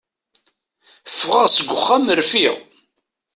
Fɣeɣ seg uxxam rfiɣ.